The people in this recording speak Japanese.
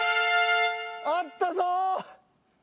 あったぞ！